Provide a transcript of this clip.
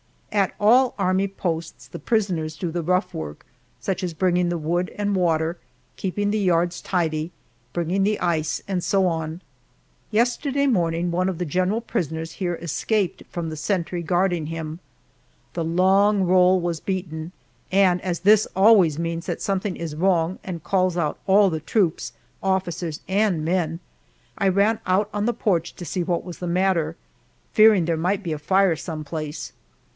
At all army posts the prisoners do the rough work, such as bringing the wood and water, keeping the yards tidy, bringing the ice, and so on. Yesterday morning one of the general prisoners here escaped from the sentry guarding him. The long roll was beaten, and as this always means that something is wrong and calls out all the troops, officers and men, I ran out on the porch to see what was the matter, fearing there might be a fire some place.